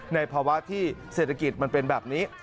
ในภาวะที่เศรษฐกิจมันเป็นแบบนี้